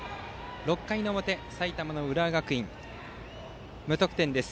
６回の表埼玉・浦和学院、無得点です。